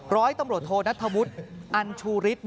ร้อยตำรวจโทนัทธวุฒิอันชูฤทธิ์